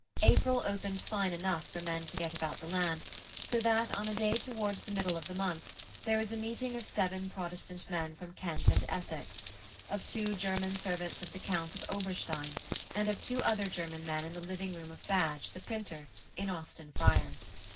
April opened fine enough for men to get about the land, so that, on a day towards the middle of the month, there was a meeting of seven Protestant men from Kent and Essex, of two German servants of the Count of Oberstein, and of two other German men in the living room of Badge, the printer, in Austin Friars.